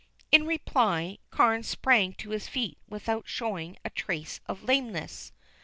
In reply Carne sprang to his feet without showing a trace of lameness.